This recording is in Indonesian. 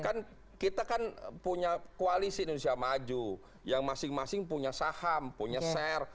kan kita kan punya koalisi indonesia maju yang masing masing punya saham punya share